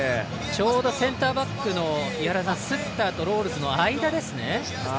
ちょうどセンターバックのスッターとロールズの間ですね。